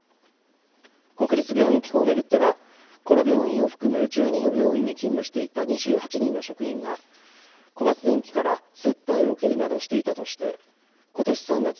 国立病院機構を巡っては、この病院を含む１２の病院に勤務していた２８人の職員が、小松電器から接待を受けるなどしていたとして、ことし３月、